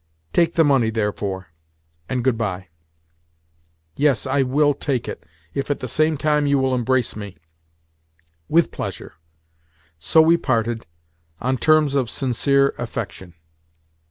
Take the money, therefore, and good bye." "Yes, I will take it if at the same time you will embrace me." "With pleasure." So we parted—on terms of sincere affection.